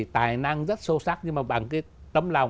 thành ra tôi đã thăm tìm được